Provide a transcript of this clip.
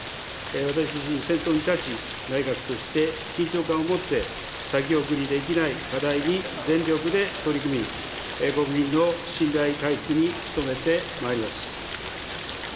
私自身先頭に立ち、内閣として緊張感を持って、先送りできない課題に全力で取り組み、国民の信頼回復に努めてまいります。